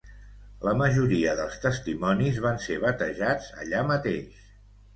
La majoria dels testimonis van ser batejats allà mateix.